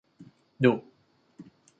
ดุ